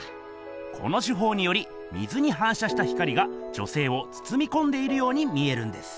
この手ほうにより水にはんしゃした光が女せいをつつみこんでいるように見えるんです。